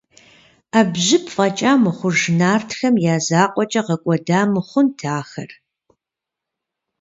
Ӏэбжьыб фӀэкӀа мыхъуж нартхэм я закъуэкӀэ гъэкӀуэда мыхъунт ахэр.